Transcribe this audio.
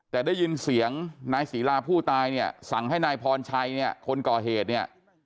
แต่ได้ยินเสียงนายศรีลาผู้ตายเนี่ยสั่งให้นายพรชัยเนี่ยคนก่อเหตุเนี่ย